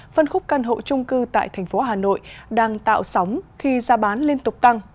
phân khúc căn hộ trung cư tại thành phố hà nội đang tạo sóng khi gia bán liên tục tăng